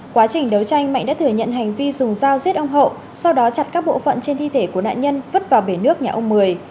quá trình đấu tranh mạnh đã thừa nhận hành vi dùng dao giết ông hậu sau đó chặt các bộ phận trên thi thể của nạn nhân vứt vào bể nước nhà ông mười